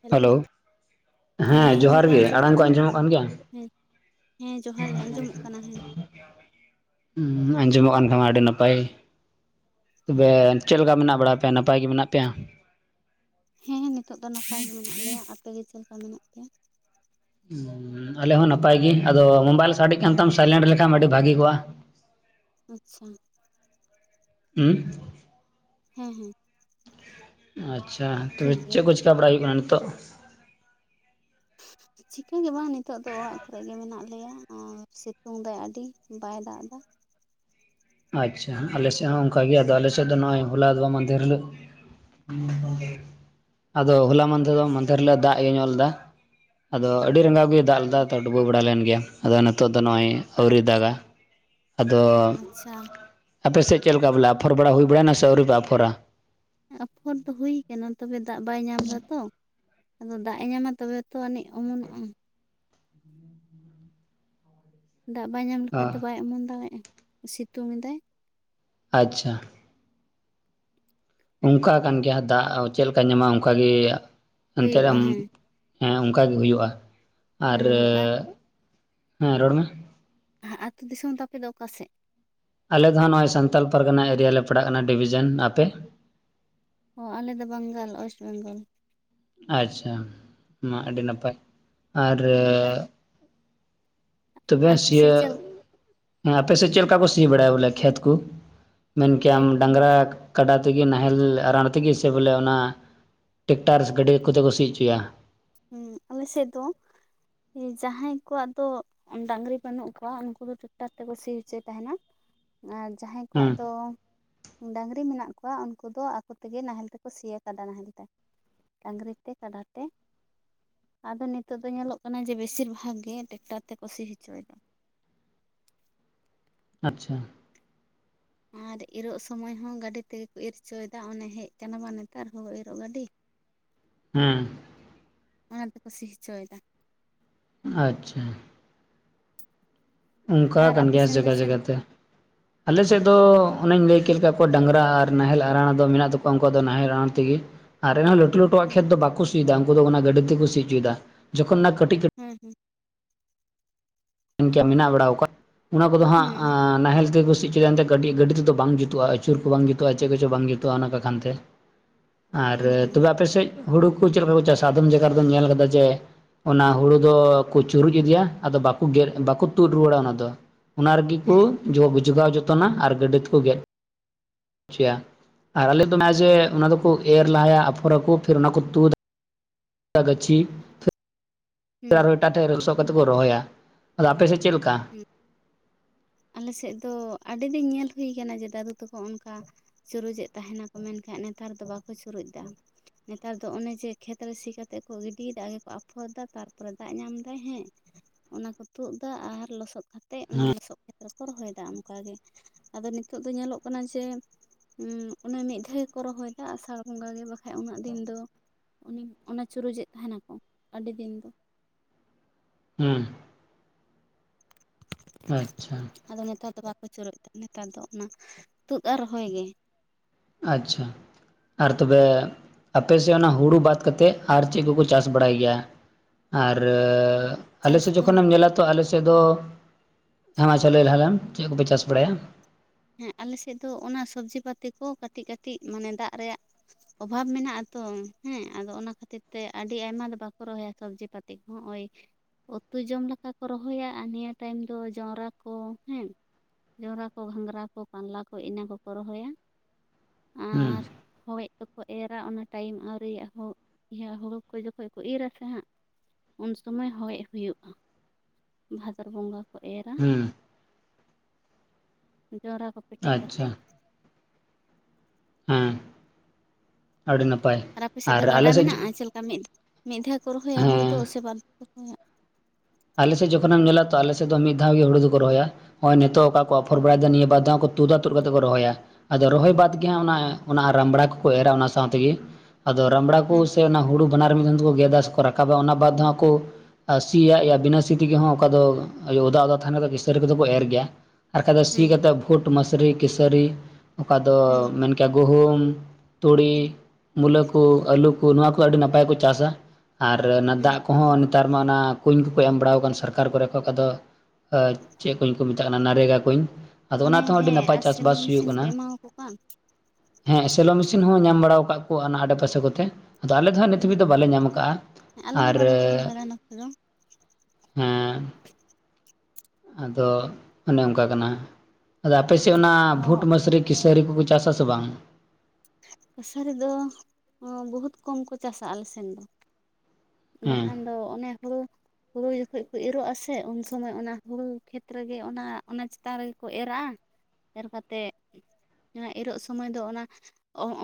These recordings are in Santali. ᱦᱮᱞᱳ ᱦᱮᱸ ᱡᱚᱦᱟᱨ ᱜᱚᱢᱠᱮ ᱜᱮ ᱟᱸᱡᱚᱢᱚᱜ ᱟᱲᱟᱝ ᱠᱚ ᱠᱟᱱᱟ ᱠᱟᱱ ᱜᱮᱭᱟ? ᱦᱮᱸ ᱦᱮᱸ ᱡᱚᱦᱟᱨ ᱜᱮ ᱟᱸᱡᱚᱢᱚᱜ ᱠᱟᱱᱟ ᱦᱮᱸ ᱩᱸ ᱟᱸᱡᱚᱢᱚᱜ ᱠᱟᱱ ᱠᱷᱟᱱ ᱢᱟ ᱟᱹᱰᱤ ᱱᱟᱯᱟᱭ ᱛᱚᱵᱮ ᱪᱮᱫ ᱞᱮᱠᱟ ᱢᱮᱱᱟᱜ ᱵᱟᱲᱟ ᱯᱮᱭᱟ ᱱᱟᱯᱟᱭ ᱜᱮ ᱢᱮᱱᱟᱜ ᱯᱮᱭᱟ ᱦᱮᱸ ᱦᱮᱸ ᱱᱤᱛᱚᱜ ᱫᱚ ᱱᱟᱯᱟᱭ ᱢᱮᱱᱟᱜ ᱞᱮᱭᱟ ᱟᱯᱮᱜ ᱜᱮ ᱪᱮᱫ ᱞᱮᱠᱟ ᱢᱮᱱᱟᱜ ᱯᱮᱭᱟ ᱦᱩᱻ ᱟᱞᱮ ᱦᱚᱸ ᱱᱟᱯᱟᱭ ᱜᱤ ᱟᱫᱚ ᱢᱳᱵᱟᱭᱤᱞ ᱥᱟᱰᱮᱜ ᱠᱟᱱ ᱛᱟᱢ ᱥᱟᱭᱞᱮᱱᱴ ᱞᱮᱠᱷᱟᱱ ᱟᱹᱰᱤ ᱵᱷᱟᱜᱤ ᱠᱚᱜᱼᱟ ᱟᱪᱪᱷᱟ ᱩᱸ ᱦᱮᱸ ᱦᱮᱸ ᱟᱪᱪᱷᱟ ᱛᱚᱵᱮ ᱴᱷᱤᱠ ᱜᱮᱭᱟ ᱪᱮᱫ ᱠᱚ ᱪᱤᱠᱟ ᱵᱟᱲᱟᱟᱭ ᱦᱩᱭᱩᱜ ᱠᱟᱱᱟ ᱱᱤᱛᱚᱜ ᱪᱤᱠᱟᱹᱜᱮ ᱵᱟᱝ ᱱᱤᱛᱚᱜ ᱫᱚ ᱚᱲᱟᱜ ᱠᱚᱨᱮᱜ ᱜᱮ ᱢᱮᱱᱟᱜ ᱞᱮᱭᱟ ᱟᱨ ᱥᱤᱛᱩᱝ ᱫᱟᱭ ᱟᱹᱰᱤ ᱵᱟᱭ ᱫᱟᱜ ᱮᱫᱟ ᱟᱪᱪᱷᱟ ᱟᱞᱮᱥᱮᱫ ᱦᱚᱸ ᱚᱱᱠ ᱜᱮ ᱟᱫᱚ ᱟᱞᱮ ᱥᱮᱫ ᱫᱚ ᱱᱚᱜᱼᱚᱭ ᱦᱚᱳᱞᱟ ᱫᱚᱵᱟᱝ ᱢᱟᱦᱫᱷᱮᱨ ᱦᱤᱞᱳᱜ ᱟᱫᱚ ᱦᱚᱞᱟ ᱢᱟᱦᱫᱷᱮᱨ ᱫᱚ ᱢᱫᱷᱮᱨ ᱦᱤᱞᱳ ᱫᱟᱜ ᱤᱭᱟᱹᱧᱚᱜ ᱞᱮᱫᱟ ᱟᱫᱚ ᱟᱹᱰᱤ ᱨᱟᱸᱜᱟᱣ ᱜᱮᱭ ᱫᱟᱜ ᱞᱮᱫᱟ ᱛᱚ ᱰᱩᱵᱟᱹᱣ ᱵᱟᱲᱟ ᱞᱮᱱ ᱜᱮᱭᱟ ᱟᱫᱚ ᱱᱤᱛᱚᱜ ᱫᱚ ᱱᱚᱜᱚᱭ ᱟᱹᱣᱨᱤ ᱫᱟᱜᱼᱟ ᱟᱫᱚ ᱟᱪᱪᱷᱟ ᱟᱯᱮᱥᱮᱫ ᱪᱮᱫ ᱞᱮᱠᱟ ᱵᱚᱞᱮ ᱟᱯᱷᱚᱨ ᱵᱟᱲᱟ ᱦᱩᱭ ᱵᱟᱲᱮᱱᱟ ᱥᱮ ᱟᱹᱣᱨᱤᱯᱮ ᱟᱯᱷᱚᱨᱟ ᱟᱯᱷᱚᱨ ᱫᱚ ᱦᱩᱭ ᱠᱟᱱᱟ ᱛᱚᱵᱮ ᱫᱟᱜ ᱵᱟᱭ ᱧᱟᱢ ᱫᱟᱛᱚ ᱟᱫᱚ ᱫᱟᱜ ᱮ ᱧᱟᱢᱟ ᱛᱚᱵᱮ ᱛᱚ ᱟᱹᱱᱤᱡ ᱚᱢᱩᱞᱚᱜᱼᱟ [inaudible] ᱚ [inaudible] ᱫᱟᱜ ᱵᱟᱭ ᱧᱟᱢ ᱞᱮᱠᱷᱟᱡ ᱛᱚ ᱵᱟᱭ ᱚᱢᱱ ᱫᱟᱲᱮᱭᱟᱜᱼᱟ ᱥᱤᱛᱩᱝ ᱮᱫᱟᱭ ᱟᱪᱪᱷᱟ ᱚᱱᱠᱟ ᱟᱠᱟᱱ ᱜᱮᱭᱟ ᱫᱟᱜ ᱪᱮᱫ ᱞᱮᱠᱟᱭ ᱧᱟᱢᱟ ᱚᱱᱠᱟᱜᱮ ᱮᱱᱛᱮ ᱦᱩᱭᱩᱜᱼᱟ ᱨᱮᱢ ᱦᱮᱸ ᱦᱮᱸ ᱚᱱᱠᱟᱜᱮ ᱦᱩᱭᱩᱜᱼᱟ ᱟᱨᱻ ᱦᱮᱸ ᱟᱨ ᱦᱮᱸ ᱨᱚᱲ ᱢᱮ ᱦᱟ ᱟᱹᱛᱩ ᱫᱤᱥᱚᱢ ᱛᱟᱯᱮ ᱫᱚ ᱚᱠᱟ ᱥᱮᱫ? ᱟᱞᱮ ᱫᱚ ᱦᱚᱜ ᱱᱚᱜᱼᱚᱭ ᱥᱟᱱᱛᱟᱞ ᱯᱟᱨᱜᱟᱱᱟ ᱮᱨᱤᱭᱟ ᱞᱮ ᱯᱟᱲᱟᱜ ᱠᱟᱱᱟ ᱰᱤᱵᱷᱤᱡᱮᱱ᱾ ᱟᱯᱮ? ᱦᱚ ᱟᱞᱮᱫ ᱫᱚ ᱵᱟᱝᱜᱟᱞ ᱚᱭᱮᱥᱴ ᱵᱮᱝᱜᱚᱞ᱾ ᱟᱪᱪᱷᱟ ᱢᱟ ᱟᱹᱰᱤ ᱱᱟᱯᱟᱭ ᱟᱨᱻ ᱛᱚᱵᱮ ᱟᱯᱮ ᱥᱮᱫ ᱥᱤᱭᱟᱹᱜ, ᱪᱮᱫ ᱞᱮᱠᱟ ᱟᱯᱮ ᱥᱮᱫ ᱪᱮᱫ ᱞᱮᱠᱟ ᱠᱚ ᱥᱤ ᱵᱟᱲᱟᱭᱟ ᱵᱚᱞᱮ ᱠᱷᱮᱛ ᱠᱩ? ᱢᱮᱱ ᱠᱮᱜᱟᱢ ᱠᱷᱮᱛ ᱠᱚᱫᱚ ᱰᱟᱝᱨᱟ ᱠᱟᱰᱟ ᱛᱮᱜᱮ ᱱᱟᱦᱮᱞ ᱟᱸᱨᱟᱱ ᱛᱮᱜᱮ ᱥᱮ ᱵᱚᱞᱮ ᱚᱱᱟ ᱴᱮᱠᱴᱟᱨ ᱜᱟᱹᱰᱤ ᱠᱚᱛᱮ ᱠᱚ ᱥᱤ ᱚᱪᱚᱭᱟ? ᱦᱩᱸ ᱟᱞᱮᱥᱮᱫ ᱫᱚ ᱡᱟᱦᱟᱸᱭ ᱠᱚᱣᱟᱜ ᱫᱚ, ᱰᱟᱝᱨᱤ ᱵᱟᱹᱱᱩᱜ ᱠᱚᱣᱟ ᱩᱱᱠᱩ ᱫᱚ ᱴᱨᱟᱠᱴᱟᱨ ᱛᱮᱠᱚ ᱥᱤ ᱦᱚᱪᱚᱭ ᱛᱟᱦᱮᱱᱟ, ᱟᱨ ᱡᱟᱦᱟᱸᱭ ᱠᱚᱣᱟᱜ ᱦᱩᱸ ᱫᱚ, ᱰᱟᱹᱟᱝᱨᱤ ᱢᱮᱱᱟᱜ ᱠᱚᱣᱟ ᱩᱱᱠᱩ ᱫᱚ ᱟᱠᱚ ᱛᱮᱜᱮ ᱱᱟᱦᱮᱞ ᱛᱮᱠᱚ ᱥᱤᱭᱟ ᱠᱟᱰᱟ ᱱᱟᱦᱮᱞ ᱛᱮ᱾ ᱰᱟᱹᱝᱨᱤ ᱛᱮ ᱠᱟᱰᱟ ᱛᱮ, ᱟᱫᱚ ᱱᱤᱛᱚᱜ ᱫᱚ ᱧᱮᱞᱚᱜ ᱠᱟᱱᱟ ᱡᱮ ᱵᱮᱥᱤᱨ ᱵᱷᱟᱜᱽ ᱜᱮ ᱴᱮᱠᱴᱟᱨ ᱛᱮᱠᱚ ᱥᱤ ᱦᱚᱪᱚᱭ ᱫᱚ᱾ ᱟᱪᱪᱷᱟ ᱟᱨ ᱤᱨᱚᱜ ᱥᱚᱢᱚᱭ ᱦᱚᱸ ᱜᱟᱹᱰᱤ ᱛᱮᱜᱮ ᱠᱚ ᱤᱨ ᱦᱚᱪᱚᱭᱮᱫᱟ ᱚᱱᱮ ᱦᱮᱡ ᱠᱟᱱᱟ ᱵᱟᱝ ᱱᱮᱛᱟᱨ ᱦᱩᱬᱩ ᱤᱨᱚᱜ ᱜᱟᱹᱰᱤ, ᱦᱮᱸ ᱚᱱᱟ ᱛᱮᱠᱚ ᱥᱤ ᱦᱚᱪᱚᱭᱮᱫᱟ᱾ ᱟᱪᱪᱷᱟ ᱚᱱᱠᱟ ᱟᱨ ᱠᱟᱱ ᱟᱯᱮ ᱜᱮᱭᱟ ᱥᱮᱱ ᱫᱚ ᱡᱟᱜᱟ ᱪᱮᱫ ᱡᱟᱜᱟ ᱞᱮᱠᱟ ᱛᱮ᱾ ᱟᱞᱮ ᱥᱮᱫ ᱫᱚ ᱚᱱᱮᱧ ᱞᱟᱹᱭ ᱠᱮᱫ ᱠᱮᱫ ᱞᱮᱠᱟ ᱰᱟᱝᱨᱟ ᱟᱨ ᱟᱱᱦᱮᱞ ᱟᱸᱨᱟᱬ ᱫᱚ ᱢᱮᱱᱟᱜ ᱛᱟᱠᱚᱣᱟ ᱩᱱᱠᱩ ᱣᱟᱜ ᱫᱚ ᱱᱟᱦᱮᱞ ᱟᱸᱨᱟᱬ ᱛᱮᱜᱮ, ᱟᱨ ᱮᱱᱦᱚᱸ ᱞᱟᱹᱴᱩ ᱞᱟᱹᱴᱩᱣᱟᱜ ᱦᱩᱸ ᱠᱷᱮᱛ ᱫᱚ ᱵᱟᱠᱩ ᱥᱤᱭᱮᱫᱟ ᱩᱱᱠᱩ ᱫᱚ ᱚᱱᱟ ᱜᱟᱹᱰᱤ ᱛᱮᱠᱚ ᱥᱤ ᱚᱪᱚᱭᱮᱫᱟ ᱡᱚᱠᱷᱚᱱ ᱚᱱᱟ ᱠᱟᱹᱴᱤᱡ ᱠᱟᱹᱴᱤᱡ ᱠᱟᱹᱴᱤ, ᱦᱩᱸ ᱦᱩᱸ ᱢᱮᱱ ᱠᱮᱭᱟᱢ ᱢᱮᱱᱟᱜ ᱵᱟᱲᱟᱣ ᱠᱟᱫ ᱚᱱᱟ ᱠᱚᱫᱚ ᱦᱩᱸ ᱦᱟᱸᱜ-ᱟᱸ ᱱᱟᱦᱮᱞ ᱛᱮᱠᱚ ᱥᱤ ᱚᱪᱚ ᱭᱮᱫᱟ ᱱᱚᱛᱮ ᱜᱟᱹᱰᱤ ᱜᱟᱹᱰᱤ ᱛᱮᱫᱚ ᱵᱟᱝ ᱡᱩᱛᱩᱜ-ᱟ ᱟᱹᱪᱩᱨ ᱠᱚ ᱵᱟᱝ ᱡᱩᱛᱩᱜ-ᱟ ᱪᱮᱫ ᱠᱚᱪᱚᱝ ᱵᱟᱝ ᱡᱩᱛᱩᱜ-ᱟ ᱚᱱᱟ ᱠᱚ ᱠᱷᱚᱱ ᱛᱮ, [inaudible] ᱟᱨ ᱦᱩᱸ ᱛᱚᱵᱮ ᱟᱯᱮ ᱥᱮᱫ ᱦᱩᱲᱩ ᱠᱚ ᱪᱮᱫ ᱞᱮᱠᱟ ᱠᱚ ᱪᱟᱥᱟ ᱟᱫᱷᱚᱱ ᱡᱟᱭᱜᱟ ᱨᱮᱫᱚ ᱧᱮᱞ ᱟᱠᱟᱫᱟ ᱡᱮ ᱚᱱᱟ ᱦᱩᱲᱩ ᱫᱚᱠᱚ ᱪᱩᱨᱩᱡ ᱤᱫᱤᱭᱟ ᱟᱫᱚ ᱵᱟ ᱠᱩ ᱜᱮᱫ ᱵᱟᱠᱚ ᱛᱩᱫ ᱨᱩᱣᱟᱹᱲᱟ ᱚᱱᱟ ᱫᱚ ᱚᱱᱟ ᱨᱮᱜᱮ ᱠᱩ, ᱦᱮᱸ ᱡᱚᱜ ᱡᱚᱜᱟᱣ ᱡᱚᱛᱚᱱᱟ ᱟᱨ ᱜᱟᱹᱰᱤ ᱛᱮᱠᱚ ᱜᱮᱫ ᱚᱪᱚᱭᱟ ᱟᱨ ᱟᱞᱮ ᱫᱚ ᱱᱚᱜ-ᱚᱭ ᱡᱮ, ᱚᱱᱟ ᱫᱚᱠᱚ ᱮᱨ ᱞᱟᱦᱟᱭᱟ ᱟᱯᱷᱚᱨ ᱟᱠᱚ ᱯᱷᱤᱨ ᱚᱱᱟ ᱠᱚ ᱛᱩᱫᱟ ᱜᱟᱪᱷᱤ ᱦᱩᱸ ᱛᱮ ᱟᱨ ᱦᱚᱸ ᱮᱴᱟᱜ ᱴᱷᱮᱱ ᱨᱚᱥᱚᱜ ᱠᱟᱛᱮ ᱠᱚ ᱨᱚᱦᱚᱭᱟ ᱟᱫᱚ ᱟᱯᱮ ᱥᱮᱫ ᱪᱮᱫ ᱞᱮᱠᱟ? [unintelligible] ᱟᱞᱮ ᱥᱮᱫ ᱫᱚ ᱟᱹᱰᱤ ᱫᱤᱱ ᱧᱮᱞ ᱦᱩᱭ ᱠᱟᱱᱟ ᱡᱮ ᱫᱟᱫᱩ ᱛᱟᱠᱚ ᱚᱱᱠᱟ, ᱪᱩᱨᱩᱡ ᱮᱫ ᱛᱟᱦᱮᱱ ᱟᱠᱚ ᱢᱮᱱ ᱠᱷᱟᱱ ᱱᱮᱛᱟᱨ ᱫᱚ ᱵᱟᱠᱚ ᱪᱩᱨᱩᱡ ᱫᱟ᱾ ᱱᱮᱛᱟᱨ ᱫᱚ ᱚᱱᱮ ᱡᱮ ᱠᱷᱮᱛ ᱨᱮ ᱥᱤ ᱠᱟᱛᱮ ᱠᱚ ᱜᱤᱰᱤ ᱭᱮᱫᱟ ᱟᱜᱮ ᱠᱚ ᱟᱯᱷᱚᱨ ᱮᱫᱟ ᱛᱟᱨ ᱯᱚᱨᱮ ᱫᱟᱜ ᱧᱟᱢ ᱫᱟᱭ ᱦᱮᱸ, ᱚᱱᱟ ᱠᱚ ᱛᱩᱫ ᱫᱟ ᱟᱨ ᱞᱚᱥᱚᱫ ᱠᱟᱛᱮᱫ ᱚᱱᱟ ᱦᱮᱸ ᱞᱚᱥᱚᱫ ᱠᱟᱛᱮ ᱨᱮᱠᱚ ᱨᱚᱦᱚᱭ ᱮᱫᱟ ᱚᱱᱠᱟᱜᱮ᱾ ᱟᱫᱚ ᱱᱤᱛᱚᱜ ᱫᱚ ᱧᱮᱞᱚᱜ ᱠᱟᱱᱟ ᱡᱮ ᱚᱱᱮ ᱢᱤᱫ ᱫᱷᱟᱣ ᱜᱮᱠᱚ ᱨᱚᱦᱚᱭ ᱮᱫᱟ ᱚᱱᱮ ᱟᱥᱟᱲ ᱵᱚᱸᱜᱟ ᱜᱮ ᱵᱟᱠᱟᱱ ᱩᱱᱟᱹᱜ ᱫᱤᱱ ᱫᱚ, ᱚᱱᱤ ᱚᱱᱟ ᱪᱩᱨᱩᱡ ᱮᱫ ᱛᱟᱦᱮᱱ ᱟᱠᱚ ᱟᱹᱰᱤ ᱫᱤᱱ ᱫᱚ᱾ ᱦᱮᱸ ᱟᱪᱪᱷᱟ ᱟᱫᱚ ᱱᱮᱛᱟᱨ ᱫᱚ ᱵᱟᱠᱚ ᱪᱩᱨᱩᱡ ᱮᱫᱟ ᱱᱮᱛᱟᱨ ᱫᱚ ᱚᱱᱟ ᱛᱩᱫ ᱟᱨ ᱨᱚᱦᱚᱭ ᱜᱮ᱾ ᱟᱪᱪᱷᱟ ᱟᱨ ᱛᱚᱵᱮ ᱟᱯᱮ ᱥᱮᱫ ᱚᱱᱟ ᱦᱩᱲᱩ ᱵᱟᱫ ᱠᱟᱛᱮᱫ ᱟᱨ ᱪᱮᱫ ᱠᱚᱠᱚ ᱪᱟᱥ ᱵᱟᱲᱟᱭ ᱜᱮᱭᱟ? ᱟᱨᱻ ᱟᱞᱮ ᱪᱟᱥ ᱥᱮᱫ ᱫᱚ ᱡᱚᱠᱷᱚᱱ ᱮᱢ ᱧᱮᱞᱟ ᱛᱚ ᱟᱞᱮ ᱥᱮᱫ ᱫᱚ, ᱦᱮᱸ ᱢᱟ ᱟᱪᱪᱷᱟ ᱞᱟᱹᱭ ᱞᱟᱦᱟ ᱞᱮᱢ ᱪᱮᱫ ᱠᱚᱯᱮ ᱪᱟᱥ ᱵᱟᱲᱟᱭᱟ? ᱦᱮᱸ ᱟᱞᱮ ᱥᱮᱫ ᱫᱚ ᱚᱱᱟ ᱥᱚᱵᱽᱡᱤ ᱯᱟᱛᱤ ᱠᱚ ᱠᱟᱹᱴᱤᱡ ᱠᱟᱹᱴᱤᱡ ᱢᱟᱱᱮ ᱫᱟᱜ ᱨᱮᱭᱟᱜ, ᱚᱵᱷᱟᱵ ᱢᱮᱱᱟᱜᱼᱟ ᱛᱚ ᱦᱮᱸ ᱟᱫᱚ ᱚᱱᱟ ᱠᱷᱟᱹᱛᱤᱨ ᱛᱮ ᱟᱹᱰᱤ ᱟᱭᱢᱟ ᱫᱚ ᱵᱟᱠᱚ ᱨᱚᱦᱚᱭᱟ ᱥᱚᱵᱽᱡᱤ ᱯᱟᱛᱤ᱾ ᱠᱚ ᱦᱚᱸ ᱳᱭ ᱩᱛᱩ ᱡᱚᱢ ᱞᱮᱠᱟ ᱠᱚ ᱨᱚᱦᱚᱭᱟ ᱟᱨ ᱱᱤᱭᱟᱹ ᱴᱟᱭᱤᱢ ᱫᱚ ᱡᱚᱱᱨᱟ ᱠᱚ ᱦᱮᱸ ᱡᱚᱱᱨᱟ ᱠᱚ, ᱜᱷᱟᱸᱝᱽᱨᱟ ᱠᱚ, ᱠᱟᱞᱞᱟ ᱠᱚ ᱤᱱᱟᱹ ᱠᱚᱠᱚ ᱨᱚᱦᱚᱭᱟ ᱦᱮᱸ ᱦᱚᱭ ᱟᱫᱚ ᱠᱚ ᱮᱨᱟ ᱚᱱᱟ ᱴᱟᱭᱤᱢ ᱟᱹᱣᱨᱤᱭᱟᱜ-ᱟ ᱦᱚᱭ ᱤᱭᱟᱹ ᱦᱩᱲᱩ ᱠᱚ ᱡᱚᱠᱷᱚᱱ ᱠᱚ ᱤᱨ ᱟᱥᱮ ᱦᱟᱸᱜ ᱩᱱ ᱥᱚᱢᱚᱭ ᱦᱚᱭ ᱦᱩᱭᱩᱜ-ᱟ᱾ ᱵᱷᱟᱫᱽᱨ ᱵᱚᱸᱜᱟ ᱠᱚ ᱮᱨᱟ ᱦᱩᱸ ᱡᱚᱱᱨᱟ ᱠᱚ ᱯᱮᱴᱮᱡ ᱠᱟᱛᱮ ᱟᱪᱪᱷᱟ ᱦᱮᱸ ᱟᱹᱰᱤ ᱱᱟᱯᱟᱭ ᱟᱨ ᱟᱯᱮ ᱥᱮᱫ ᱫᱚ ᱜᱟᱰᱟ ᱟᱞᱮ ᱥᱮᱫ ᱢᱮᱱᱟᱜ-ᱟ ᱪᱮᱫ ᱞᱮᱠᱟ ᱢᱤᱫ ᱢᱤᱫ ᱫᱷᱟᱣ ᱠᱚ ᱨᱚᱦᱚᱭᱟ ᱦᱩᱲᱩ ᱫᱚ ᱦᱮᱸ ᱥᱮ ᱵᱟᱨ ᱫᱷᱟᱣ ᱠᱚ ᱨᱚᱦᱚᱭᱟ? ᱟᱞᱮ ᱥᱮᱫ ᱡᱚᱠᱷᱚᱱ ᱮᱢ ᱧᱮᱞᱟ ᱛᱚ ᱟᱞᱮ ᱥᱮᱫ ᱫᱚ ᱢᱤᱫ ᱫᱷᱟᱣ ᱜᱮ ᱦᱩᱲᱩ ᱫᱚᱠᱚ ᱨᱚᱦᱚᱭᱟ ᱱᱚᱜ-ᱚᱭ ᱱᱤᱛᱚᱜ ᱡᱟᱦᱟᱸ ᱠᱚ ᱟᱯᱷᱚᱨ ᱦᱩᱸ ᱵᱟᱲᱟ ᱭᱮᱫᱟ ᱱᱤᱭᱟᱹ ᱵᱟᱨ ᱫᱚ ᱦᱟᱸᱜ ᱠᱚ ᱛᱩᱫᱟ ᱛᱩᱫ ᱠᱟᱛᱮᱫ ᱠᱚ ᱨᱚᱦᱚᱭᱟ ᱟᱫᱚ ᱨᱚᱦᱚᱭ ᱵᱟᱫᱽ ᱜᱮ ᱦᱟᱸᱜ ᱚᱱᱟ ᱚᱱᱟ ᱨᱟᱢᱲᱟ ᱠᱚᱠᱚ ᱮᱨᱟ ᱚᱱᱟ ᱥᱟᱶ ᱛᱮᱜᱮ ᱟᱫᱚ ᱨᱟᱢᱲᱟ ᱠᱚ ᱦᱩᱸ ᱥᱮ ᱚᱱᱟ ᱦᱩᱲᱩ ᱵᱟᱱᱟᱨ ᱢᱤᱫ ᱫᱷᱟᱣ ᱛᱮᱠᱚ ᱜᱮᱫ-ᱟ ᱥᱮ ᱠᱚ ᱨᱟᱠᱟᱵᱟ ᱚᱱᱟ ᱵᱟᱫ ᱫᱚ ᱦᱟᱸᱜ ᱠᱚ ᱥᱤᱭᱟ ᱵᱤᱱᱟᱹ ᱥᱤ ᱛᱮᱜᱮ ᱦᱚᱸ ᱚᱠᱟ ᱫᱚ ᱚᱫᱟ ᱚᱫᱟ ᱛᱟᱦᱮᱱᱟ ᱠᱤᱥᱟᱹᱨᱤ ᱠᱚᱫᱚ ᱠᱚ ᱮᱨ ᱜᱮᱭᱟ ᱟᱨ ᱵᱟᱠᱟᱱ ᱫᱚ ᱥᱤ ᱦᱩᱸ ᱠᱟᱛᱮ ᱠᱷᱩᱴ, ᱢᱟᱥᱨᱤ, ᱠᱮᱥᱟᱹᱨᱤ ᱚᱠᱟ ᱫᱚ ᱦᱩᱸ ᱢᱮᱱ ᱠᱮᱭᱟ ᱜᱩᱦᱩᱢ ᱛᱩᱲᱤ ᱢᱩᱞᱟᱹ ᱠᱚ, ᱟᱹᱞᱩ ᱠᱚ, ᱱᱚᱣᱟ ᱠᱚ ᱟᱹᱰᱤ ᱱᱟᱯᱟᱭ ᱠᱚ ᱪᱟᱥᱟ ᱟᱨ ᱚᱱᱟ ᱦᱩᱸ ᱫᱟᱜ ᱠᱚᱦᱚᱸ ᱱᱮᱛᱟᱨ ᱢᱟᱱ ᱚᱱᱟ ᱠᱩᱧ ᱠᱚᱭ ᱮᱢ ᱵᱟᱲᱟᱣ ᱟᱠᱟᱱ ᱥᱚᱨᱠᱟᱨ ᱠᱚᱨᱮ ᱠᱚ ᱚᱠᱟ ᱫᱚ ᱪᱮᱫ ᱠᱩᱧ ᱠᱚ ᱢᱮᱛᱟᱜ ᱠᱟᱱᱟ ᱱᱟᱨᱮᱜᱟ ᱠᱩᱧ ᱟᱫᱚ ᱚᱱᱮ ᱚᱱᱟ ᱛᱮ ᱦᱚᱸ ᱟᱹᱰᱤ ᱦᱮᱸ ᱱᱟᱯᱟᱭ ᱟᱨ ᱪᱟᱥ ᱥᱮᱞᱚ ᱵᱟᱥ ᱦᱩᱭᱩᱜ ᱢᱮᱥᱤᱱ ᱠᱚ ᱠᱟᱱᱟ ᱮᱢᱟᱣᱟᱠᱚ ᱠᱟᱱ ᱦᱮᱸ ᱥᱮᱞᱚ ᱢᱮᱥᱤᱱ ᱦᱚᱸ ᱧᱟᱢ ᱵᱟᱲᱟ ᱟᱠᱟᱫ ᱟᱠᱚ ᱚᱱᱟ ᱟᱰᱮᱯᱟᱥᱮ ᱠᱚᱛᱮ ᱟᱫᱚ ᱟᱞᱮ ᱫᱚ ᱦᱟᱸᱜ ᱱᱤᱛ ᱦᱮᱸ ᱫᱷᱟᱹᱵᱤᱡ ᱫᱚ ᱵᱟᱞᱮ ᱧᱟᱢ ᱟᱠᱟᱜ-ᱟ ᱟᱨ ᱦᱮᱞᱚ ᱦᱮᱸ ᱟᱫᱚ ᱚᱱᱮ ᱚᱱᱠᱟ ᱠᱟᱱᱟ᱾ ᱟᱫᱚ ᱟᱯᱮᱥᱮᱫ ᱚᱱᱟ ᱚ ᱵᱷᱩᱴ, ᱢᱟᱥᱨᱤ, ᱠᱤᱥᱟᱹᱨᱤ ᱠᱚᱠᱚ ᱪᱟᱥ-ᱟᱥᱮ ᱵᱟᱝ? ᱠᱟᱹᱥᱟᱨᱤ ᱫᱚ ᱵᱚᱦᱩᱛ ᱠᱚᱢ ᱠᱚ ᱪᱟᱥᱟ ᱟᱞᱮ ᱥᱮᱱ ᱫᱚ᱾ ᱦᱮᱸ ᱵᱟᱠᱷᱟᱱ ᱫᱚ ᱚᱱᱮ ᱦᱩᱲᱩ ᱦᱩᱲᱩ ᱡᱚᱠᱷᱚᱱ ᱠᱚ ᱤᱨᱚᱜ ᱟ ᱥᱮᱮ ᱩᱱ ᱥᱚᱢᱚᱭ ᱚᱱᱟ ᱦᱩᱲᱩ ᱠᱷᱮᱛ ᱨᱮ ᱜᱮ ᱚᱱᱟ ᱚᱱᱟ ᱪᱮᱛᱟᱱ ᱨᱮ ᱜᱮ ᱠᱚ ᱮᱨᱟᱜᱼᱟ᱾ ᱮᱨ ᱠᱟᱛᱮᱫ ᱚᱱᱟ ᱤᱨᱚᱜ ᱥᱚᱢᱚᱭ ᱫᱚ ᱚᱱᱟ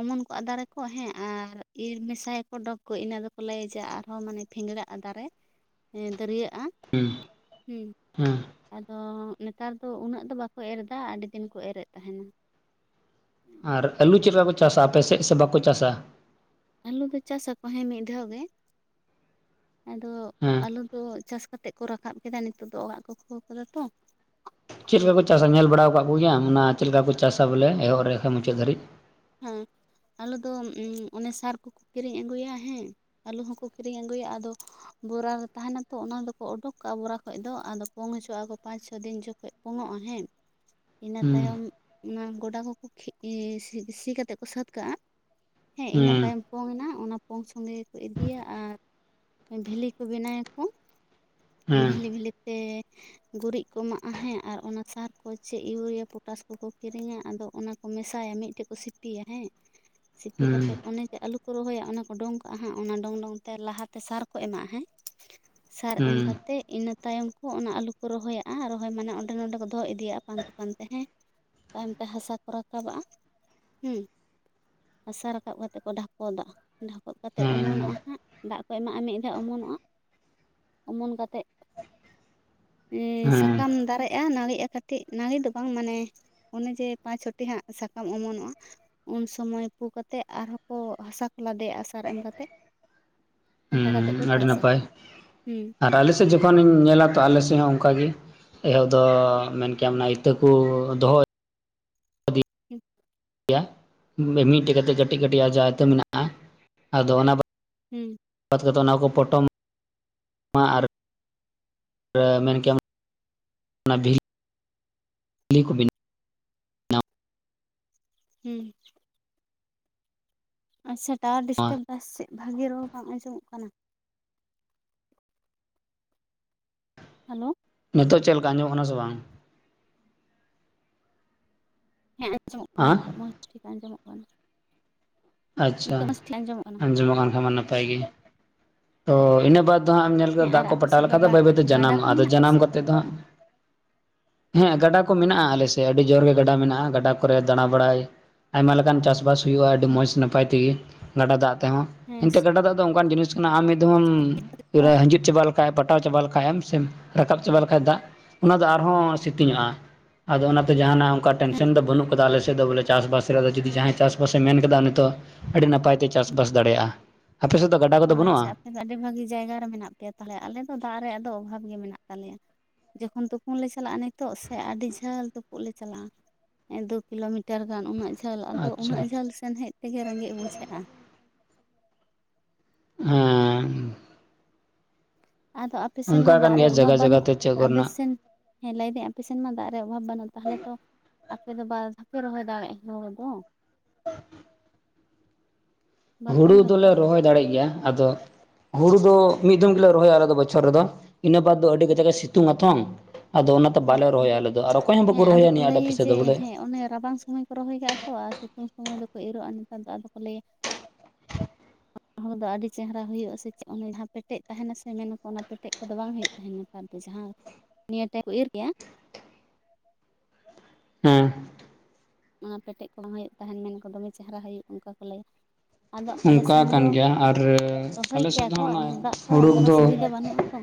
ᱚᱢᱚᱱ ᱠᱚ ᱟ ᱫᱟᱨᱮ ᱠᱚ ᱦᱮᱸ ᱟᱨ ᱤᱨ ᱢᱮᱥᱟᱭᱟ ᱠᱚ ᱰᱚᱜᱽ ᱠᱚ ᱤᱱᱟᱹ ᱫᱚ ᱠᱚ ᱞᱟᱹᱭᱮᱡᱟ ᱟᱨᱦᱚᱸ ᱢᱟᱱᱮ ᱵᱷᱮᱝᱲᱟ ᱟ ᱫᱟᱨᱮ ᱫᱟᱹᱨᱭᱟᱹᱜᱼᱟ᱾ ᱦᱮᱸ ᱦᱩᱸ ᱦᱮᱸ ᱟᱫᱚ ᱱᱮᱛᱟᱨ ᱫᱚ ᱩᱱᱟᱹᱜ ᱫᱚ ᱵᱟᱠᱚ ᱮᱨ ᱮᱫᱟ ᱟᱹᱰᱤ ᱫᱤᱱ ᱠᱚ ᱮᱨᱮᱫ ᱛᱟᱦᱮᱱᱟ᱾ ᱟᱨ ᱟᱹᱞᱩ ᱪᱮᱫ ᱞᱮᱠᱟ ᱠᱚ ᱪᱟᱥᱟ ᱟᱯᱮᱥᱮᱫ ᱥᱮ ᱵᱟᱠᱚ ᱪᱟᱥᱟ? ᱟᱹᱞᱩ ᱫᱚ ᱪᱟᱥᱟᱚ ᱦᱮᱸ ᱢᱤᱫ ᱫᱷᱟᱣ ᱜᱮ ᱟᱫᱚ ᱦᱮᱸ ᱟᱹᱞᱩ ᱚ ᱪᱟᱥ ᱠᱟᱛᱮᱜ ᱠᱚ ᱨᱟᱠᱟᱵ ᱠᱮᱫᱟ ᱱᱤᱛᱳ ᱫᱚ ᱚᱲᱟᱜ ᱠᱚ ᱠᱷᱳᱣ ᱟᱠᱟᱫᱟ ᱛᱚ᱾ ᱪᱮᱫ ᱠᱚ ᱪᱟᱥᱟ ᱧᱮᱞ ᱵᱟᱲᱟ ᱟᱠᱟᱫ ᱠᱚᱜᱮᱭᱟ ᱚᱱᱟ ᱪᱮᱫ ᱞᱮᱠᱟ ᱠᱚ ᱪᱟᱥᱟ ᱵᱚᱞᱮ ᱮᱦᱚᱵ ᱨᱮᱠᱷᱟᱱ ᱢᱩᱪᱟᱹᱫ ᱫᱷᱟᱹᱨᱤᱡ ᱦᱮᱸ ᱟᱞᱮ ᱫᱚ ᱚᱱᱮ ᱥᱟᱨ ᱠᱚᱠᱚ ᱠᱤᱨᱤᱧ ᱟᱹᱜᱩᱭᱟ ᱦᱮᱸ ᱟᱹᱞᱩ ᱦᱚᱸᱠᱚ ᱠᱤᱨᱤᱧ ᱟᱹᱜᱩᱭᱟ ᱟᱫᱚ ᱵᱚᱨᱟ ᱨᱮ ᱛᱟᱦᱮᱱᱟ ᱛᱚ᱾ ᱚᱱᱟ ᱫᱚ ᱠᱚ ᱚᱰᱩᱠ ᱠᱟᱜᱼᱟ ᱵᱚᱨᱟ ᱠᱷᱚᱡ ᱫᱚ ᱟᱫᱚ ᱯᱚᱝ ᱦᱚᱪᱚᱣᱟᱜᱼᱟᱚ ᱯᱟᱸᱪ ᱪᱷᱚ ᱫᱤᱱ ᱡᱚᱠᱷᱚᱱ ᱯᱚᱝᱚᱜᱼᱟ ᱦᱮᱸ ᱤᱱᱟᱹ ᱦᱩᱸ ᱛᱟᱭᱚᱢ ᱚᱱᱟ ᱜᱚᱰᱟ ᱠᱚᱠᱚ [inaudible] ᱥᱤᱥᱤ ᱠᱟᱛᱮ ᱠᱚ ᱥᱟᱹᱛ ᱠᱟᱜᱼᱟ ᱦᱮᱸ ᱤᱱᱟᱹ ᱦᱩᱸ ᱛᱟᱭᱚᱢ ᱯᱚᱝ ᱮᱱᱟ ᱚᱱᱟ ᱯᱚᱝ ᱥᱚᱸᱜᱮ ᱜᱮᱠᱚ ᱤᱫᱤᱭᱟ ᱟᱨ ᱵᱷᱤᱞᱤ ᱠᱚ ᱵᱮᱱᱟ ᱭᱟᱠᱚ ᱦᱩᱸ ᱵᱷᱤᱞᱤ ᱵᱷᱤᱞᱤ ᱛᱮ ᱜᱩᱨᱤᱡ ᱠᱚ ᱮᱢᱟᱜᱼᱟ ᱦᱮᱸ ᱟᱨ ᱚᱱᱟ ᱥᱟᱨ ᱠᱚ ᱪ ᱤᱭᱩᱨᱤᱭᱟ ᱯᱚᱴᱟᱥ ᱠᱚ ᱠᱚ ᱠᱤᱨᱤᱧᱟ ᱟᱫᱚ ᱚᱱᱟ ᱢᱮᱥᱟᱭᱟ ᱢᱤᱫᱴᱮᱡ ᱠᱚ ᱥᱤᱯᱤᱭᱟ ᱦᱮᱸ ᱥᱤᱯᱤ ᱦᱩᱸ ᱠᱟᱛᱮ ᱚᱱᱮ ᱡᱮ ᱟᱞᱩ ᱠᱚ ᱨᱚᱦᱚᱭᱟ ᱚᱱᱟ ᱠᱚ ᱰᱚᱝ ᱠᱟᱜᱼᱟ ᱦᱟᱸᱜ ᱚᱱᱟ ᱰᱚᱝ ᱰᱚᱝ ᱛᱮ ᱞᱟᱦᱟ ᱛᱮ ᱥᱟᱨ ᱠᱚᱼ ᱠᱚ ᱮᱢᱟᱜ ᱦᱮ᱾ ᱥᱟᱨ ᱮᱢ ᱦᱩᱸ ᱠᱟᱛᱮᱫ ᱤᱱᱟᱹ ᱛᱟᱭᱚᱢ ᱠᱚ ᱚᱱᱟ ᱟᱞᱩ ᱠᱚ ᱨᱚᱦᱚᱭᱟᱜᱼᱟ, ᱨᱚᱦᱚᱭ ᱢᱟᱱᱮ ᱚᱸᱰᱮ ᱱᱚᱰᱮ ᱠᱚ ᱫᱚᱦᱚ ᱤᱫᱤᱭᱟᱜᱼᱟ ᱯᱟᱱ ᱠᱟᱱ ᱛᱮ ᱦᱮᱸ ᱛᱟᱭᱚᱢ ᱛᱮ ᱦᱟᱥᱟ ᱠᱚ ᱨᱟᱠᱟᱵᱟᱜᱼᱟ ᱦᱮᱸ ᱦᱟᱥᱟ ᱨᱟᱠᱟᱵ ᱠᱟᱛᱮ ᱠᱚ ᱰᱷᱟᱯᱚᱫᱟ᱾ ᱰᱷᱟᱠᱚᱜ ᱠᱟᱛᱮᱜ ᱦᱩᱸ ᱚᱢᱚᱱᱚᱜᱼᱟ ᱦᱟᱸᱜ ᱫᱟᱜ ᱠᱚ ᱮᱢᱟᱜᱼᱟ ᱢᱤᱫ ᱫᱷᱟᱣ ᱚᱢᱚᱱᱚᱜᱼᱟ᱾ ᱚᱢᱚᱱ ᱠᱟᱛᱮᱫ ᱦᱩᱸ ᱥᱟᱠᱟᱢ ᱫᱟᱨᱮᱜᱼᱟ ᱱᱟᱹᱲᱤᱜᱼᱟ ᱠᱟᱹᱴᱤᱡ ᱱᱟᱹᱲᱤ ᱫᱚ ᱵᱟᱝ ᱢᱟᱱᱮ ᱚᱱᱮ ᱡᱮ ᱯᱟᱸᱪ ᱪᱷᱚᱴᱤ ᱦᱟᱸᱜ ᱥᱟᱠᱟᱢ ᱚᱢᱚᱱᱚᱜᱼᱟ᱾ ᱩᱱ ᱥᱚᱢᱚᱭ ᱯᱩ ᱠᱟᱛᱮ ᱟᱨᱦᱚᱸ ᱠᱚ ᱦᱟᱥᱟ ᱠᱚ ᱞᱟᱫᱮᱭᱟ ᱥᱟᱨ ᱮᱢ ᱠᱟᱛᱮᱜ᱾ ᱦᱩᱸ ᱟᱹᱰᱤ ᱱᱟᱯᱟᱭ ᱦᱩᱸ ᱟᱨ ᱟᱞᱮ ᱥᱮᱫ ᱡᱚᱠᱷᱚᱱ ᱤᱧ ᱧᱮᱞᱟ ᱛᱚ ᱟᱞᱮ ᱥᱮᱫ ᱦᱚᱸ ᱚᱱᱠᱟᱜ ᱜᱮ᱾ ᱮᱦᱳᱚᱵ ᱫᱚ ᱢᱮᱱ ᱠᱮᱭᱟᱢ ᱚᱱᱟ ᱤᱛᱟᱹ ᱠᱚ ᱫᱚᱦᱚ ᱦᱮᱸ [inaudible] ᱜᱮᱭᱟ [unintelligible] ᱢᱤᱫᱴᱮᱡ ᱠᱟᱛᱮ ᱠᱟᱹᱴᱤᱡ ᱠᱟᱹᱴᱤᱡ ᱟ ᱡᱟᱦᱟᱸᱟᱭ ᱛ ᱢᱮᱱᱟᱜᱼᱟ ᱟᱫᱚ ᱚᱱᱟ ᱵᱟ [unintelligible] ᱦᱮᱸ ᱵᱟᱫᱽ [unintelligible] ᱠᱟᱛᱮᱫ ᱚᱱᱟ ᱠᱚ ᱯᱚᱴᱚᱢ ᱟᱨ ᱢᱮᱱ ᱠᱮᱭᱟᱢ [inaudible] ᱠᱚ ᱵ [inaudible] ᱦᱩᱸ ᱟᱪᱪᱷᱟ ᱴᱟᱣᱟᱨ ᱰᱤᱥᱴᱟᱵ ᱵᱟᱥ ᱪᱮᱫ ᱵᱷᱟᱜᱤ ᱨᱚᱲ ᱵᱟᱝ ᱟᱸᱡᱚᱢᱚᱜ ᱠᱟᱱᱟ᱾ ᱦᱮᱞᱳ ᱱᱤᱛᱚᱜ ᱪᱮᱫ ᱞᱮᱠᱟ ᱟᱡᱚᱜ ᱠᱟᱱᱟ ᱥᱮ ᱵᱟᱝ? ᱦᱮᱸ ᱟᱸᱡᱚᱢᱚᱜ ᱠᱟᱱᱟ ᱦᱟᱸ ᱱᱤᱛᱚᱜ ᱢᱚᱸᱡᱽ ᱴᱷᱤᱠ ᱟᱸᱡᱚᱢᱚᱜ ᱠᱟᱱᱟ᱾ ᱟᱪᱪᱷᱟ ᱱᱤᱛᱚᱜ ᱢᱚᱡᱽ ᱴᱷᱤᱠ ᱠᱟᱱᱟ ᱟᱸᱡᱚᱢᱚᱜ ᱠᱟᱱ ᱠᱷᱟᱱ ᱢᱟ ᱱᱟᱯᱟᱭ ᱜᱮ ᱛᱚ ᱤᱱᱟᱹ ᱵᱟᱫ ᱫᱚ ᱦᱟᱜ ᱮᱢ ᱧᱮᱞ ᱦᱮᱸ ᱠᱮᱫᱟ ᱫᱟᱜ ᱟᱨ ᱠᱚ ᱟᱯᱮ ᱯᱟᱴᱟᱣ ᱥᱮᱫ ᱞᱮᱠᱷᱟᱱ ᱫᱚ ᱜᱟ ᱵᱟᱹᱭ ᱵᱟᱹᱭᱛᱮ ᱜᱟᱰᱟ ᱡᱟᱱᱟᱢᱚᱜᱼᱟ᱾ ᱠᱚ ᱟᱫᱚ ᱢᱮᱱᱟᱜ ᱟᱯᱮ ᱡᱟᱱᱟᱢ ᱥᱮᱫ ᱠᱟᱛᱮᱮᱫ ᱫᱚ ᱦᱟᱸᱜ ᱦᱮᱸ ᱜᱟᱰᱟ ᱠᱚ ᱢᱮᱱᱟᱜᱼᱟ ᱟᱞᱮᱥᱮᱫ ᱟᱹᱰᱤ ᱡᱳᱨ ᱜᱮ ᱜᱟᱰᱟ ᱢᱮᱱᱟᱜᱼᱟ᱾ ᱜᱟᱰᱟ ᱠᱚᱨᱮ ᱫᱟᱬᱟ ᱵᱟᱲᱟᱭ ᱟᱭᱢᱟ ᱞᱮᱠᱟᱱ ᱪᱟᱥᱵᱟᱥ ᱦᱩᱭᱩᱜᱼᱟ ᱟᱹᱰᱤ ᱦᱮᱸ ᱢᱚᱸᱡᱽ ᱱᱟᱯᱟᱭ ᱛᱮ ᱜᱮ᱾ ᱜᱟᱰᱟ ᱫᱟᱜ ᱛᱮᱦᱚᱸ ᱦᱮᱸ ᱮᱱᱛᱮ ᱜᱟᱰᱟ ᱫᱟᱜ ᱫᱚ ᱚᱱᱠᱟᱱ ᱡᱤᱱᱤᱥ ᱠᱟᱱᱟ ᱟᱢ ᱢᱤᱫ ᱫᱷᱟᱣᱢ ᱦᱤᱡᱤᱫ ᱪᱟᱵᱟᱭ ᱞᱮᱠᱟᱱ ᱦᱮ ᱯᱟᱴᱟᱣ ᱪᱟᱵᱟ ᱞᱮᱠᱷᱟᱡ ᱮᱢ ᱥᱮᱢ ᱨᱟᱠᱟᱵ ᱪᱟᱵᱟᱭ ᱞᱮᱠᱷᱟᱡ ᱫᱟᱜ ᱚᱱᱟ ᱫᱚ ᱟᱨᱦᱚᱸ ᱥᱤᱛᱤᱝᱧᱚᱜᱼᱟ᱾ ᱟᱫᱚ ᱚᱱᱟᱛᱮ ᱡᱟᱦᱟᱱᱟᱜ ᱚᱱᱠᱟ ᱦᱮᱸ ᱴᱮᱱᱥᱮᱱ ᱫᱚ ᱵᱟᱹᱱᱩᱜ ᱟᱠᱟᱫᱟ ᱟᱞᱮ ᱥᱮᱫ ᱫᱚ ᱵᱚᱞᱮ ᱪᱟᱥᱵᱟᱥ ᱨᱮᱫᱚ ᱡᱩᱫᱤ ᱡᱟᱦᱟᱸᱭ ᱪᱟᱥᱵᱟᱥᱮ ᱢᱮᱱ ᱠᱟᱫᱟ ᱩᱱᱤ ᱫᱚ ᱟᱹᱰᱤ ᱱᱟᱯᱟᱭ ᱛᱮ ᱪᱟᱥᱵᱟᱥ ᱫᱟᱲᱮᱭᱟᱜᱼᱟ᱾ ᱟᱯᱮᱥᱮᱫ ᱫᱚ ᱜᱟᱰᱟ ᱚ ᱠᱚᱫᱚ ᱵᱟᱹᱱᱩᱜᱼᱟ? ᱟᱪᱪᱷᱟ ᱟᱯᱮ ᱫᱚ ᱟᱹᱰᱤ ᱵᱷᱟᱜᱤ ᱡᱟᱭᱜᱟ ᱨᱮ ᱢᱮᱱᱟᱜ ᱯᱮᱭᱟ ᱛᱟᱦᱞᱮ ᱟᱞᱮ ᱫᱚ ᱫᱟᱜ ᱨᱮᱭᱟᱜ ᱫᱚ ᱚᱵᱷᱟᱵᱽ ᱜᱮ ᱢᱮᱱᱟᱜ ᱛᱟᱞᱮᱭᱟ᱾ ᱡᱚᱠᱷᱚᱱ ᱛᱩᱯᱩᱱ ᱞᱮ ᱪᱟᱞᱟᱜᱼᱟ ᱱᱤᱛᱚᱜ ᱥᱮ ᱟᱹᱰᱤ ᱡᱷᱟᱹᱞ ᱛᱩᱯᱩᱜ ᱞᱮ ᱪᱟᱞᱟᱜᱼᱟ᱾ ᱫᱩ ᱠᱤᱞᱳᱢᱤᱴᱟᱨ ᱜᱟᱱ ᱩᱱᱟᱹᱜ ᱡᱷᱟᱹᱞ ᱟᱫᱚ ᱟᱪᱪᱷᱟ ᱩᱱᱟᱹᱜ ᱡᱷᱟᱹᱞ ᱥᱮᱱ ᱦᱮᱡ ᱛᱮᱜᱮ ᱨᱮᱸᱜᱮᱡ ᱵᱩᱡᱷᱟᱹᱜᱼᱟ᱾ ᱦᱮᱻ ᱟᱫᱚ ᱟᱯᱮ ᱥᱮᱱ ᱚᱱᱠᱟ ᱢᱟ ᱠᱟᱱ ᱫᱟᱜ ᱜᱮᱭᱟ ᱨᱮᱭᱟᱜ ᱚᱵᱷᱟᱵᱽ ᱡᱟᱭᱜᱟ ᱡᱟᱭᱜᱟ ᱵᱟᱹᱱᱩᱜ ᱛᱮ ᱪᱮᱫ ᱟᱯᱮ ᱠᱚᱨᱮᱱᱟᱜ ᱥᱮᱱ ᱦᱮᱸ ᱞᱟᱹᱭ ᱫᱟᱹᱧ ᱟᱯᱮᱥᱮᱱ ᱢᱟ ᱫᱟᱜ ᱨᱮᱭᱟᱜ ᱚᱵᱷᱟᱵ ᱵᱟᱹᱱᱩᱜ ᱛᱟᱦᱚᱞᱮ ᱛᱚ ᱟᱯᱮ ᱫᱚ ᱵᱟᱨ ᱫᱷᱟᱣ ᱯᱮ ᱨᱚᱦᱚᱭ ᱫᱟᱲᱮᱭᱟᱜᱼᱟ ᱦᱚᱲᱚ ᱫᱚ ᱦ [unintelligible] ᱵᱟᱯᱮ ᱦᱩᱲᱩ ᱛᱮ ᱫᱚᱞᱮ ᱨᱚᱦᱚᱭ ᱫᱟᱲᱮᱜ ᱜᱮᱭᱟ᱾ ᱟᱫᱚ, ᱦᱩᱲᱩ ᱫᱚ ᱢᱤᱫ ᱫᱚᱢ ᱜᱮᱞᱮ ᱨᱚᱦᱚᱭᱟ ᱟᱞᱮ ᱵᱚᱪᱷᱚᱨ ᱨᱮᱫᱚ ᱤᱱᱟᱹ ᱵᱟᱫ ᱫᱚ ᱟᱹᱰᱤ ᱠᱟᱡᱟᱠᱮ ᱥᱤᱛᱩᱝ ᱟᱛᱚ ᱟᱫᱚ ᱚᱱᱟᱛᱮ ᱦᱮᱸ ᱵᱟᱞᱮ ᱨᱚᱦᱚᱭᱟ ᱟᱫᱚ ᱟᱞᱮᱫᱚ ᱟᱨ ᱚᱠᱚᱭ ᱦᱚᱸ ᱵᱟᱠᱚ ᱦᱮᱸ ᱟᱫᱚ ᱨᱚᱦᱚᱭᱟ ᱠᱚ ᱱᱤᱭᱟᱹ ᱟᱰᱮ ᱞᱟᱹᱭᱟ ᱯᱚᱭᱥᱟ ᱡᱮ ᱫᱚ ᱵᱚᱞᱮ ᱦᱮᱸ ᱚᱱᱮ ᱨᱟᱵᱟᱝ ᱥᱚᱢᱚᱭ ᱨᱚᱦᱚᱭ ᱠᱟᱜᱼᱟ ᱛᱚ ᱟᱨ ᱥᱤᱛᱩᱝ ᱥᱚᱢᱚᱭ ᱫᱚᱠᱚ ᱤᱨᱚᱜᱼᱟ ᱱᱮᱛᱟᱨ ᱫᱚ ᱟᱫᱚ ᱠᱚ ᱞᱟᱹᱭᱟ [inaudible] ᱦᱚᱲ ᱫᱚ ᱟᱹᱰᱤ ᱪᱮᱦᱨᱟ ᱦᱩᱭᱩᱜᱼᱟ ᱥᱮ ᱪᱮᱫ ᱚᱱᱮ ᱡᱟᱦᱟᱸ ᱯᱮᱴᱮᱫ ᱛᱟᱦᱮᱱᱟ ᱥᱮ ᱢᱮᱱᱟᱠᱚ ᱚᱱᱟ ᱯᱮᱴᱮᱡ ᱠᱚᱫᱚ ᱵᱟᱝ ᱦᱩᱭᱩᱜ ᱛᱟᱦᱮᱱᱟ᱾ ᱡᱟᱦᱟᱸ ᱱᱤᱭᱟᱹ ᱴᱟᱭᱤᱢ ᱠᱚ ᱤᱨ ᱠᱮᱜᱼᱟ᱾ ᱦᱮᱸ ᱚᱱᱟ ᱯᱮᱴᱮᱫ ᱠᱚ ᱫᱚᱦᱚᱭ ᱮᱫ ᱛᱟᱦᱮᱱ ᱢᱮᱱ ᱟᱠᱚ ᱫᱚᱢᱮ ᱪᱮᱦᱨᱟ ᱦᱩᱭᱩᱜᱼᱟ ᱚᱱᱠᱟ ᱠᱚ ᱞᱟᱹᱭᱟ᱾ ᱟᱫᱚ ᱟᱞᱮ ᱚᱱᱠᱟ ᱥᱮᱱ ᱫᱚ ᱠᱟᱱ ᱜᱮᱭᱟ ᱟᱨ ᱨᱚᱦᱚᱭ ᱟᱞᱮ ᱠᱮᱭᱟ ᱥᱮᱫ ᱫᱚ ᱠᱚ ᱚᱱᱟ ᱟᱫᱚ ᱫᱟᱜ ᱠᱚ ᱦᱩᱲᱩ ᱚᱱᱠᱟ ᱫᱚ ᱥᱩᱵᱤᱫᱟ ᱵᱟᱹᱱᱩᱜ ᱟ ᱛᱚ᱾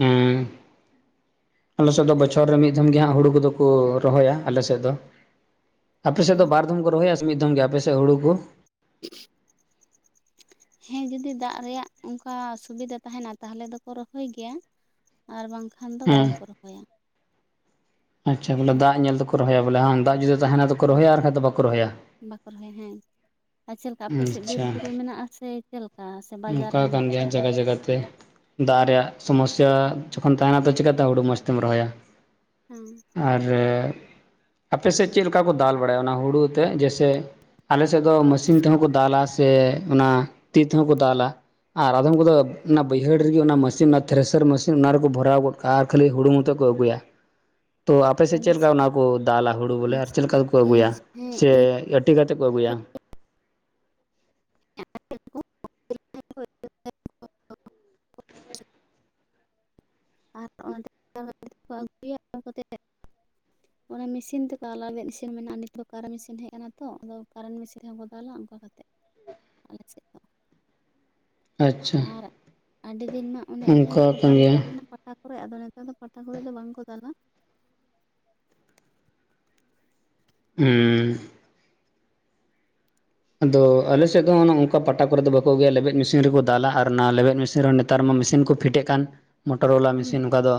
ᱦᱮᱸ ᱟᱞᱮᱥᱮᱫ ᱫᱚ ᱵᱚᱪᱷᱚᱨ ᱨᱮ ᱢᱤᱫ ᱫᱷᱢ ᱜᱮᱦᱟᱸᱜ ᱦᱩᱲᱩ ᱠᱚᱫᱚ ᱠᱚ ᱨᱚᱦᱚᱭᱟ ᱟᱞᱮᱥᱮᱫ ᱫᱚ᱾ ᱟᱯᱮᱥᱮᱫ ᱫᱚ ᱵᱟᱨ ᱫᱷᱚᱢ ᱠᱚ ᱨᱚᱦᱚᱭᱟ ᱥᱮ ᱢᱤᱫ ᱫᱷᱚᱢ ᱜᱮ ᱟᱯᱮᱥ ᱥᱮᱫ ᱦᱳᱲᱳ ᱠᱚ? ᱦᱮᱸ [unintelligible] ᱦᱮᱸ ᱡᱩᱫᱤ ᱫᱟᱜ ᱨᱮᱭᱟᱜ ᱚᱱᱠᱟ ᱥᱩᱵᱤᱫᱷᱟ ᱛᱟᱦᱮᱱᱟ ᱛᱟᱦᱚᱞᱮ ᱫᱚᱠᱚ ᱨᱚᱦᱚᱭ ᱜᱮᱭᱟ᱾ ᱟᱨ ᱵᱟᱝᱠᱷᱟᱱ ᱫᱚ ᱵᱟᱝᱠᱚ ᱨᱚᱦᱚᱭᱟ ᱟᱪᱷᱟ ᱵᱚᱞᱮ ᱫᱟᱜ ᱧᱮᱞ ᱛᱮᱠᱚ ᱨᱚᱦᱚᱭᱟ ᱵᱚᱞᱮ ᱵᱟᱝ ᱫᱟᱜ ᱡᱩᱫᱤ ᱛᱟᱦᱮᱱᱟ ᱛᱚᱵᱮ ᱠᱚ ᱦᱮᱸ ᱨᱚᱦᱚᱭᱟ ᱟᱨ ᱵᱟᱷᱟᱟᱱ ᱫᱚ ᱵᱟᱠᱚ ᱨᱚᱦᱚᱭᱟ ᱵᱟᱠᱚ ᱨᱚᱦᱚᱭᱟ ᱦᱮᱸ ᱟᱨ ᱪᱮᱫ ᱞᱮᱠᱟ ᱟᱯᱮ ᱥᱮᱫ ᱵᱤᱨ ᱟᱪᱪᱷᱟ ᱵᱩᱨᱩ ᱢᱮᱱᱟᱜᱼᱟ ᱥᱮ ᱪᱮᱫ ᱞᱮᱠᱟ ᱥᱮ ᱵᱟᱡᱟᱨ ᱨᱮ ᱢᱮᱱᱟᱜ ᱯᱮᱭᱟ ᱞᱮᱠᱟᱛᱮ ᱫᱟᱜ ᱨᱮᱭᱟᱜ ᱥᱚᱢᱚᱥᱟ ᱡᱚᱠᱷᱚᱱ ᱛᱟᱦᱮᱱᱟ ᱛᱚ ᱪᱤᱠᱟᱛᱮ ᱦᱩᱲᱩ ᱢᱚᱸᱡᱽ ᱛᱮᱢ ᱨᱚᱦᱚᱭᱟ ᱦᱮᱸ ᱟᱨ ᱟᱯᱮᱥᱮᱫ ᱪᱮᱫ ᱞᱮᱠᱟ ᱠᱚ ᱫᱟᱞ ᱵᱟᱲᱟᱭᱟ ᱚᱱᱟ ᱦᱳᱲᱳ ᱛᱮᱫ ᱡᱮ ᱥᱮ ᱟᱞᱮᱥᱮᱫ ᱫᱚ ᱢᱮᱥᱤᱱ ᱛᱮᱦᱚᱸ ᱠᱚ ᱫᱟᱞᱟ ᱥᱮ ᱚᱱᱟ ᱛᱤ ᱛᱮᱦᱚᱸ ᱠᱚ ᱫᱟᱞᱟ ᱟᱨ ᱟᱫᱷᱚᱢ ᱠᱚᱫᱚ ᱚᱱᱟ ᱵᱟᱹᱭᱦᱟᱹᱲ ᱨᱮᱜᱮ ᱚᱱᱟ ᱢᱮᱥᱤᱱ ᱚᱱᱟ ᱛᱷᱨᱮᱥᱟᱨ ᱢᱮᱥᱤᱱ ᱚᱱᱟ ᱨᱮᱠᱚ ᱵᱷᱚᱨᱟᱣ ᱜᱚᱫ ᱠᱟᱜᱼᱟ ᱟᱨ ᱠᱷᱟᱹᱞᱤ ᱦᱩᱳᱲᱳ ᱢᱚᱛᱚ ᱠᱚ ᱟᱹᱜᱩᱭᱟ [inaudible] ᱛᱚ ᱟᱯ ᱥᱮᱫ ᱪᱮᱫ ᱞᱮᱠᱟ ᱚᱱᱟ ᱠᱚ ᱫᱟᱞᱟ ᱦᱩᱲᱩ ᱵᱚᱞᱮ ᱟᱞᱮ ᱟᱨ ᱪᱮᱫ ᱥᱮᱫ ᱞᱮᱠᱟ ᱫᱚ ᱛᱮᱠᱚ ᱟᱹᱜᱩᱭᱟ ᱦᱮᱸ ᱥᱮ ᱤᱨ ᱴᱤ ᱠᱟᱛᱮᱫ ᱠᱚ ᱟᱹᱜᱩᱭᱟ [unintelligible] ᱟᱨ ᱚᱱᱠᱟ ᱠᱟᱛᱮ ᱠᱚ ᱟᱹᱜᱩᱭᱟ ᱟᱹᱜᱩ ᱠᱟᱛᱮ ᱚᱱᱟ ᱢᱮᱥᱤᱱ ᱛᱮ ᱫᱟᱞ ᱟᱞᱮ ᱟᱞᱮᱭᱟᱜ ᱢᱮᱥᱤᱱ ᱢᱮᱱᱟᱜᱼᱟ ᱱᱤᱛ ᱦᱚᱸ ᱠᱟᱨᱮᱱᱴ ᱢᱮᱥᱤᱱ ᱦᱮᱡ ᱟᱠᱟᱱᱟ ᱛᱚ ᱟᱫᱚ ᱠᱟᱨᱮᱱᱴ ᱢᱮᱥᱤᱱ ᱛᱮᱦᱚᱸ ᱠᱚ ᱫᱟᱞᱟ ᱚᱱᱠᱟ ᱫᱚ ᱟᱞᱮ ᱥᱮᱫ ᱫᱚ ᱟᱪᱪᱷᱟ ᱟᱨ ᱟᱹᱰᱤ ᱫᱤᱱ ᱢᱟ ᱚᱱᱮ ᱤᱴᱟ ᱚᱱᱠᱟ ᱨᱮᱠᱚ ᱠᱟᱱ ᱫᱟᱞᱮᱫ ᱜᱮᱭᱟ ᱛᱟᱦᱮᱱᱟ ᱯᱟᱴᱟᱠᱨᱮ ᱟᱫᱚ ᱱᱮᱛᱟᱨ ᱫᱚ ᱯᱟᱴᱟ ᱠᱚᱨᱮ ᱫᱚ ᱵᱟᱝ ᱠᱚ ᱫᱟᱞᱟ ᱦᱮᱸ ᱟᱫᱚ ᱟᱞᱮᱥᱮᱫ ᱫᱚ ᱚᱱᱠᱟ ᱯᱟᱴᱟ ᱠᱚᱨᱮ ᱫᱚ ᱵᱟᱠᱚ ᱟᱹᱜᱩᱭᱟ ᱞᱮᱵᱮᱫ ᱢᱮᱥᱤᱱ ᱨᱮᱠᱚ ᱫᱟᱞᱟ ᱟᱨ ᱚᱱᱟ ᱞᱮᱵᱮᱫ ᱢᱮᱥᱤᱱ ᱨᱮ ᱱᱮᱛᱟᱨ ᱢᱟ ᱢᱮᱥᱤᱱ ᱠᱚ ᱯᱷᱤᱴ ᱮᱫ ᱠᱟᱱ ᱢᱚᱴᱚᱨ ᱵᱟᱞᱟ ᱦᱩᱸ ᱢᱮᱥᱤᱱ ᱠᱟ ᱫᱚ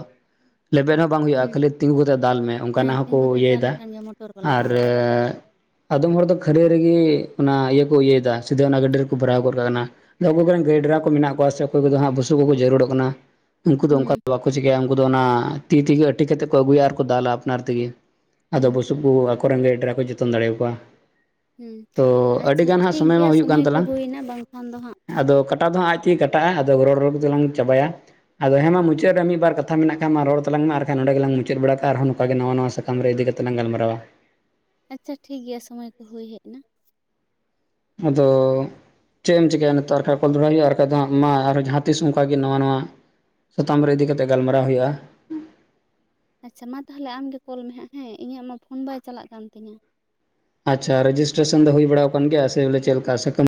ᱞᱮᱵᱮᱫ ᱦᱚᱸ ᱵᱟᱝ ᱦᱩᱭᱩᱜᱼᱟ ᱦᱩᱸ ᱠᱷᱟᱹᱞᱤ ᱛᱤᱸᱜᱩ ᱠᱟᱛᱮ ᱫᱟᱞ ᱢᱮ ᱦᱮᱸ ᱚᱱᱠᱟᱱᱟᱜ ᱦᱚᱸᱠᱚ ᱛᱤᱸᱜᱩ ᱠᱟᱛᱮᱫ ᱫᱟᱞ ᱤᱭᱟᱹᱭᱮᱫᱟ ᱞᱮᱠᱷᱟᱱ ᱜᱮ ᱢᱚᱴᱚᱨ ᱵᱟᱞᱟ ᱟᱨ ᱵᱟᱝ ᱟᱫᱚᱢ ᱦᱚᱲ ᱫᱚ ᱠᱷᱟᱹᱨᱤ ᱨᱮᱜᱮ ᱚᱱᱟ ᱤᱭᱟᱹ ᱠᱚ ᱤᱭᱟᱹᱭᱮᱫᱟ ᱥᱷᱩᱫᱩ ᱚᱱᱟ ᱜᱟᱹᱰᱤ ᱨᱮᱠᱚ ᱵᱷᱚᱨᱟᱣ ᱜᱚᱫ ᱠᱟᱜ ᱠᱟᱱᱟ ᱟᱵᱚ ᱠᱚᱨᱮᱱ ᱜᱟᱹᱭ ᱰᱟᱝᱨᱟ ᱠᱚ ᱢᱮᱱᱟᱜ ᱠᱚᱣᱟ ᱥᱮ ᱚᱠᱚᱭ ᱠᱚᱫᱚ ᱦᱟᱸᱜ ᱵᱩᱥᱩᱵ ᱠᱚᱠᱚ ᱡᱟᱹᱨᱩᱲᱚᱜ ᱠᱟᱱᱟ ᱩᱱᱠᱩ ᱫᱚ ᱦᱩᱸ ᱚᱱᱠᱟ ᱫᱚ ᱵᱟᱠᱚ ᱪᱤᱠᱟᱹᱭᱟ ᱩᱱᱠᱩ ᱫᱚ ᱚᱱᱟ ᱛᱤ ᱛᱮᱜᱮ ᱟᱹᱴᱤ ᱠᱟ ᱠᱟᱛᱮᱫ ᱠᱚ ᱟᱹᱜᱩᱭᱟ ᱟᱨᱠᱚ ᱫᱟᱞᱟ ᱟᱯᱱᱟᱨ ᱛᱮᱜᱮ ᱟᱫᱚ ᱦᱩᱸ ᱵᱩᱥᱩᱵ ᱠᱚ ᱟᱠᱚ ᱨᱮᱸᱜᱮᱡ ᱰᱟᱝᱨᱟ ᱠᱚ ᱡᱚᱛᱚᱱ ᱫᱟᱲᱮᱭᱟᱠᱚᱣᱟ ᱦᱩᱸ ᱛᱚ ᱟᱪᱪᱷᱟ ᱟᱹᱰᱤᱜᱟᱱ ᱦᱟᱸᱜ ᱴᱷᱤᱠ ᱥᱚᱢᱚᱭ ᱢᱟ ᱜᱮᱭᱟ ᱦᱩᱭᱩᱜ ᱠᱟᱱ ᱠᱚ ᱛᱟᱞᱟᱝ ᱦᱩᱭᱱᱟ ᱵᱟᱝᱠᱷᱟᱱ ᱫᱚ ᱦᱟᱸᱜ ᱟᱫᱚ ᱟᱫᱚ ᱟᱡ ᱛᱮᱜᱮ ᱠᱟᱴᱟᱜᱼᱟ ᱟᱫᱚ ᱨᱚᱲ ᱨᱚᱲ ᱛᱮᱞᱟᱝ ᱪᱟᱵᱟᱭᱟ ᱟᱫᱚ ᱦᱮᱸ ᱢᱟ ᱢᱩᱪᱟᱹᱫ ᱨᱮ ᱢᱤᱫ ᱵᱟᱨ ᱠᱟᱛᱷᱟ ᱦᱮ ᱦᱮ ᱢᱟ‌ ᱢᱩᱪᱟᱹᱫ ᱨᱮ ᱢᱤᱫ ᱵᱟᱨ ᱠᱷᱟᱛᱟ ᱢᱮᱱᱟᱜ ᱠᱷᱟᱱ ᱢᱟ ᱨᱚᱲ ᱛᱟᱞᱟᱝ ᱢᱮ ᱟᱨᱠᱷᱟᱱ ᱱᱚᱰᱮ ᱜᱮᱞᱟᱝ ᱢᱩᱟᱹᱫ ᱵᱟᱲᱟ ᱠᱟᱜ ᱟᱨᱦᱚ ᱱᱚᱝᱠᱟᱜᱮ ᱜᱮ ᱱᱟᱣᱟ ᱠᱨᱚᱢ ᱨᱮ ᱤᱫᱤ ᱠᱟᱛᱮᱫ ᱞᱟᱝ ᱜᱟᱞᱢᱟᱨᱟᱣᱟ ᱟᱪᱪᱷᱟ ᱴᱷᱤᱠ ᱜᱮᱭᱟ ᱥᱚᱢᱚᱭ ᱠᱚ ᱦᱩᱭ ᱦᱮᱡ ᱮᱱᱟ ᱟᱫᱚ ᱪᱮᱫ ᱮᱢ ᱪᱤᱠᱟᱹᱭᱟ ᱱᱤᱛᱚᱜ ᱟᱨ ᱦᱟᱸᱜ ᱠᱚᱞ ᱫᱚᱦᱟᱭ ᱦᱩᱭᱩᱜᱼᱟ ᱟᱨ ᱫᱚ ᱢᱟ ᱟᱨᱦᱚ ᱡᱟᱦᱟᱸ ᱛᱤᱥ ᱚᱱᱟᱜᱮ ᱱᱟᱣᱟ ᱱᱟᱣᱟ ᱥᱟᱛᱟᱢ ᱨᱮ ᱤᱫᱤ ᱠᱟᱛᱮ ᱜᱟᱞᱢᱟᱨᱟᱣ ᱦᱩᱭᱩᱜᱼᱟ ᱟᱪᱪᱷᱟ ᱢᱟ ᱛᱟᱦᱚᱞᱮ ᱟᱢ ᱜᱮ ᱠᱚᱞ ᱢᱮ ᱦᱟᱸᱜ ᱦᱮᱸ ᱤᱧᱟᱹᱜ ᱢᱟ ᱯᱷᱳᱱ ᱵᱟᱭ ᱪᱟᱞᱟᱜ ᱠᱟᱱ ᱛᱤᱧᱟᱹ ᱟᱪᱪᱷᱟ ᱨᱮᱡᱤᱥᱴᱨᱮᱥᱚᱱ ᱫᱚ ᱦᱩᱭ ᱵᱟᱲᱟ ᱟᱠᱟᱱ ᱜᱮᱭᱟ ᱥᱮ ᱪᱮᱫ ᱞᱮᱠᱟᱢ